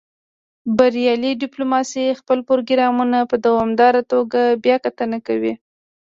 بریالۍ ډیپلوماسي خپل پروګرامونه په دوامداره توګه بیاکتنه کوي